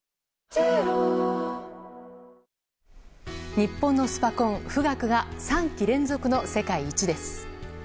日本のスパコン「富岳」が３期連続の世界一です。